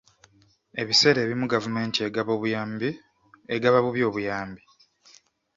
Ebiseera ebimu gavumenti egaba bubi obuyambi.